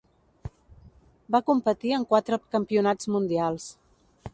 Va competir en quatre campionats mundials.